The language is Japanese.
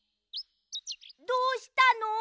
どうしたの？